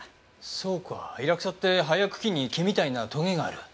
そうかイラクサって葉や茎に毛みたいなトゲがある。